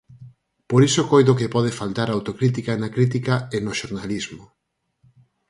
Por iso coido que pode faltar autocrítica na crítica e no xornalismo.